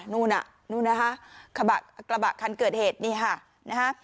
นู่นน่ะนู่นนะคะกระบะคันเกิดเหตุนี่ค่ะนะฮะ